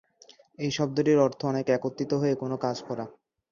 এই শব্দটির অর্থ অনেকে একত্রিত হয়ে কোন কাজ করা।